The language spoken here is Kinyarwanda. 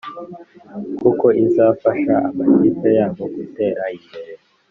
kuko izafasha amakipe yabo gutera imbere